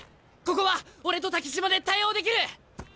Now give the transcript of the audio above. ここは俺と竹島で対応できる！